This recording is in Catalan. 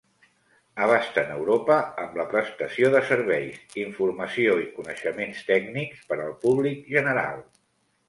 Abasten Europa amb la prestació de serveis, informació i coneixements tècnics per al públic general.